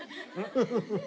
フフフフフ。